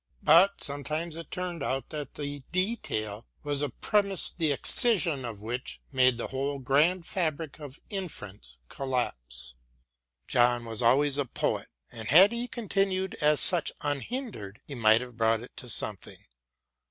But sometimes it turned out that the "detail" was a premise the excision of which made the whole grand fabric of inference collapse. John was always a poet, and had he continued as such unhindered he might have brought it to something.